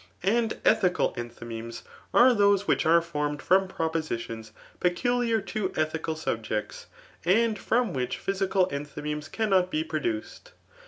And ethical enthymemes are those inrhich are formed from propositions peculiar to ethical subjects, and from which physical enthymemes cannot be produced.